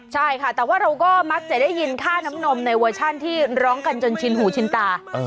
ใช่ค่ะแต่ว่าเราก็มักจะได้ยินค่าน้ำนมในเวอร์ชันที่ร้องกันจนชินหูชินตา